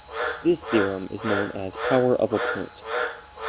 This theorem is known as power of a point.